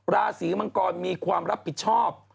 ราศีมังกรมีความรับผิดชอบ